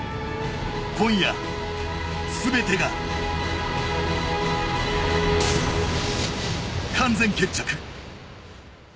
今夜、全てが完全決着。